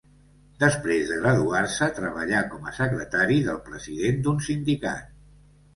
Després de graduar-se treballà com a secretari del president d'un sindicat.